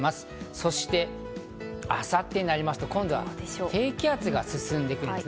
そして明後日になりますと今度は低気圧が進んでくるんですね。